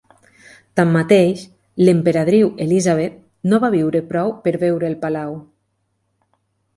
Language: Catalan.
Tanmateix, l'emperadriu Elizabeth no va viure prou per veure el palau.